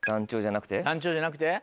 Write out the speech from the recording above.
団長じゃなくて。